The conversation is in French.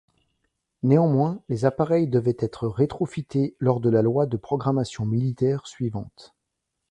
Néanmoins les appareils devaient être rétrofités lors de la loi de programmation militaire suivante.